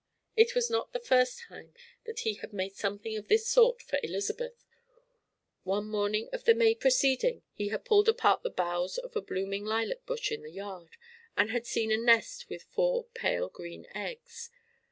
It was not the first time that he had made something of this sort for Elizabeth. One morning of the May preceding he had pulled apart the boughs of a blooming lilac bush in the yard, and had seen a nest with four pale green eggs.